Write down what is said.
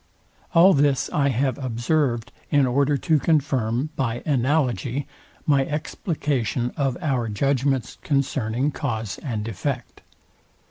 All this I have observed, in order to confirm by analogy, my explication of our judgments concerning cause and effect.